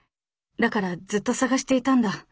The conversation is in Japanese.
だからずっと探していたんだ。